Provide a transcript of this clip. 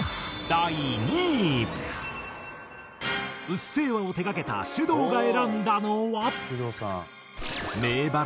『うっせぇわ』を手掛けたｓｙｕｄｏｕが選んだのは。